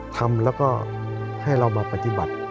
ทำแล้วก็ให้เรามาปฏิบัติ